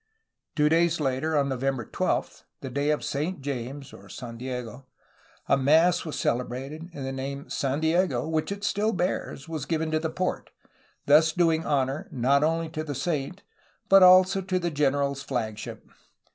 Two days later, on November 12, the day of Saint James (San Diego), a mass was celebrated, and the name "San Diego, '^ which it still bears, was given to the port, thus doing honor not only to the saint but also to the generaFs flagship.